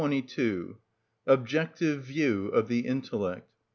(1) Objective View of the Intellect.